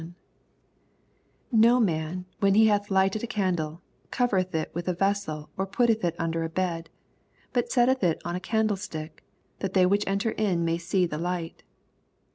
16 No man, when he hath lighted a candle^ oovereth it with a vessel, or putteth U under a bed ; bat settetn U on a candleBtick, that they which en ter in may see tne light.